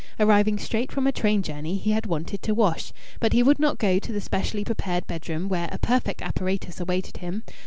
Arriving straight from a train journey, he had wanted to wash. But he would not go to the specially prepared bedroom, where a perfect apparatus awaited him.